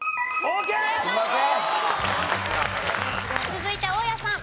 続いて大家さん。